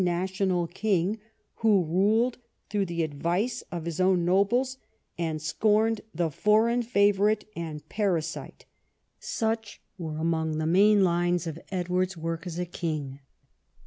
national king, who ruled through the advice of his own nobles and scorned the foreign favourite and para site — such were among the main lines of Edward's work as a king.